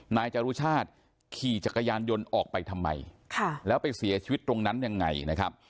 นายจรุชาติขี่จักรยานยนต์ออกไปทำไมแล้วไปเสียชีวิตตรงนั้นยังไงนะครับ